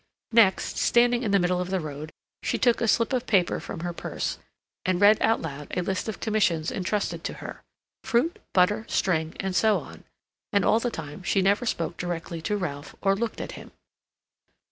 Next, standing in the middle of the road, she took a slip of paper from her purse, and read out loud a list of commissions entrusted to her—fruit, butter, string, and so on; and all the time she never spoke directly to Ralph or looked at him.